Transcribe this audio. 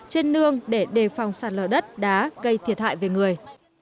trên nương để đề phòng sạt lở đất đá gây thiệt hại về người